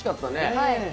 はい。